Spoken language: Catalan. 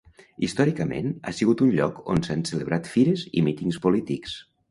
Històricament, ha sigut un lloc on s'han celebrat fires i mítings polítics.